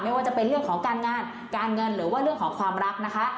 ว่าจะเป็นเรื่องของการงานการเงินหรือว่าเรื่องของความรักนะคะ